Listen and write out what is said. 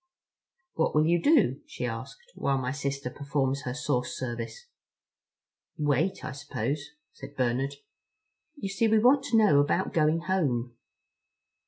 "What will you do?" she asked, "while my sister performs her source service?" "Wait, I suppose," said Bernard. "You see we want to know about going home."